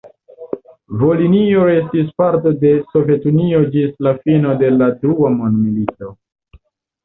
Volinio restis parto de Sovetunio ĝis la fino de la Dua Mondmilito.